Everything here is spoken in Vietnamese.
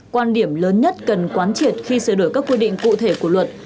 quan điểm lớn nhất cần quán triệt khi sửa đổi các quy định cụ thể của luật